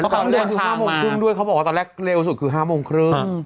เขาเดินคือ๕โมงครึ่งด้วยเขาบอกว่าตอนแรกเร็วสุดคือ๕โมงครึ่ง